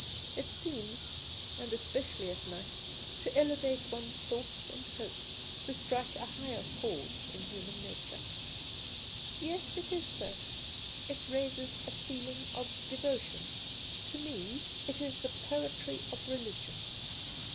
It seems — and especially at night — to elevate one's thoughts and hopes, to strike a higher chord in human nature.' ' Yes, it is so. It raises a feeling of devotion. To me, it is the poetry of religion.'